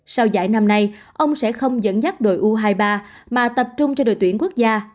sau giải năm nay ông sẽ không dẫn dắt đội u hai mươi ba mà tập trung cho đội tuyển quốc gia